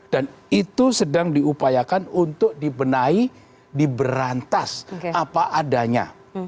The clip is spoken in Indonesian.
dan itu sedang diupayakan untuk dibenahi diberantas apa adanya